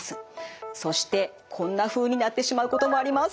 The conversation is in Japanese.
そしてこんなふうになってしまうこともあります。